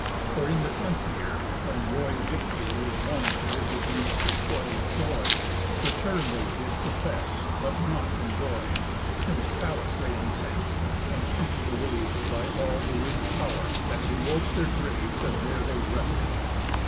For in the tenth year, when roy victory Was won to give the Greeks the spoil of Troy, Return they did profess, but not enjoy, Since Pallas they incens'd, and she the waves By all the winds' pow'r, that blew ope their graves. And there they rested.